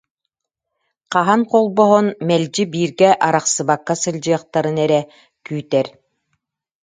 Хаһан холбоһон, мэлдьи бииргэ арахсыбакка сылдьыахтарын эрэ күүтэр